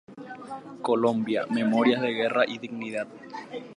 Colombia: memorias de guerra y dignidad".